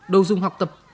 đâu dung học tập